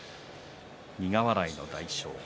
苦笑いの大翔鵬。